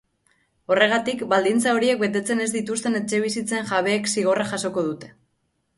Horregatik, baldintza horiek betetzen ez dituzten etxebizitzen jabeek zigorra jasoko dute.